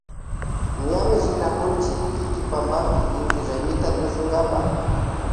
Ñami rinakunchi kiti pampama inti raymipi tushunkapa.